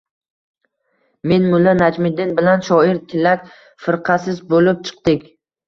— men, mulla Najmiddin bilan shoir Tilak firqasiz bo‘lib chiqdik.